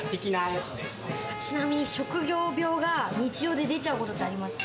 ちなみに職業病が日常で出ちゃうことってありますか？